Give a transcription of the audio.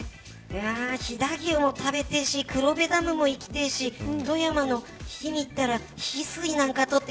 飛騨牛も食べたいし黒部ダムも行きたいし富山にいったらヒスイなんか採って